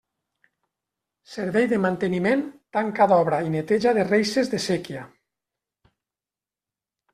Servei de manteniment tanca d'obra i neteja de reixes de séquia.